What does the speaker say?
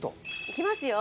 いきますよ！